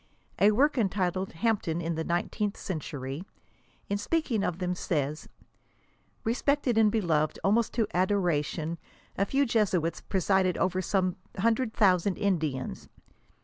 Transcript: A work entitled, " Hampden ia the Nineteenth Century," in speaking of them, says, " respected and beloved almost to adoration, a few Jesuits presided over some hundred thousand Indians.